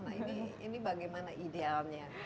nah ini bagaimana idealnya